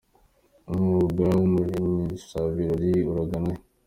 Umwuga w’ubushyushyabirori uragana he?